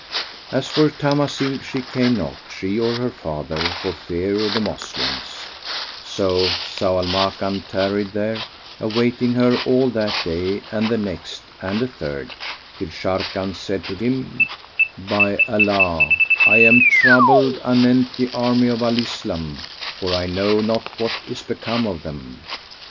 As for Tamasil, she came not, she or her father, for fear of the Moslems; so Zau al Makan tarried there, awaiting her all that day and the next and a third, till Sharrkan said to him, "By Allah, I am troubled anent the army of Al Islam, for I know not what is become of them."